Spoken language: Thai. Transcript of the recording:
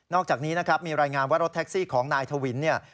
อกจากนี้นะครับมีรายงานว่ารถแท็กซี่ของนายทวินเนี่ย